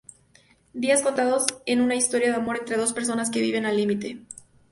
Días contados es una historia de amor entre dos personas que viven al límite.